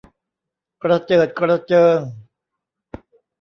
กระเจิดกระเจิง